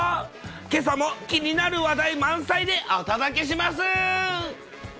けさも気になる話題満載でお届けします。